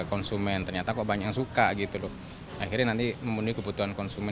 konsumen ternyata kok banyak yang suka gitu loh akhirnya nanti memenuhi kebutuhan konsumen